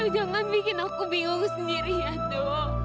jangan bikin aku bingung sendiri endo